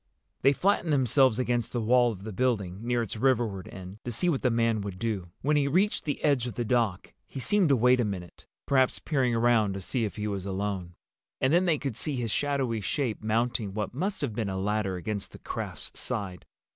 They flattened themselves against the wall of the building, near its riverward end, to see what the man would do. When he reached the edge of the dock he seemed to wait a minute, perhaps peering around to see if he was alone. And then they could see his shadowy shape mounting what must have been a ladder against the craft's side.